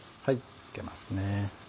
むけますね。